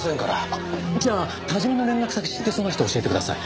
あっじゃあ田島の連絡先知ってそうな人教えてください。